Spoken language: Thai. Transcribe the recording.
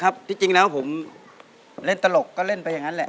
ที่จริงแล้วผมเล่นตลกก็เล่นไปอย่างนั้นแหละ